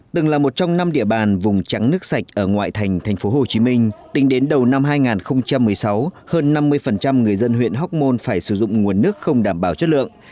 từng là một trong năm địa bàn vùng trắng nước sạch ở ngoại thành tp hcm tính đến đầu năm hai nghìn một mươi sáu hơn năm mươi người dân huyện hóc môn phải sử dụng nguồn nước không đảm bảo chất lượng